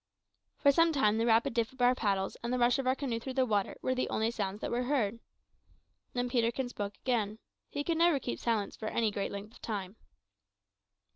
For some time the rapid dip of our paddles and the rush of our canoe through the water were the only sounds that were heard. Then Peterkin spoke again. He could never keep silence for any great length of time.